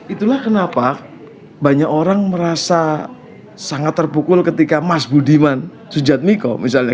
itulah kenapa banyak orang merasa sangat terpukul ketika mas budiman sujadmiko misalnya